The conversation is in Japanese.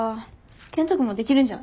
健人君もできるんじゃない？